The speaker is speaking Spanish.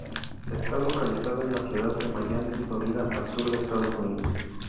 Está localizada en la ciudad de Miami, Florida, al sur de Estados Unidos.